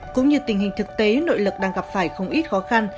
cũng như tình hình thực tế nội lực đang gặp phải không ít khó khăn